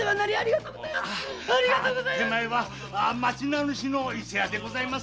手前は町名主の伊勢屋でございます。